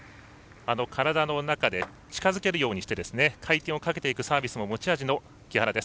体の中で近づけるようにして回転をかけていくサービスも持ち味の木原です。